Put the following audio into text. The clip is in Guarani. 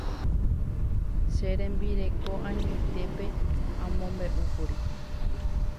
Che rembireko añoitépe amombe'úkuri.